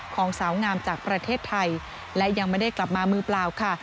ของสาวงามจากประเทศไทยและยังไม่ได้กลับมามือเปล่าค่ะ